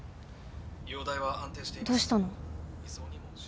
容体は安定しています。